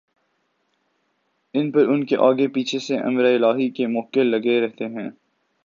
ان پران کے آگے پیچھے سے امرِالٰہی کے مؤکل لگے رہتے ہیں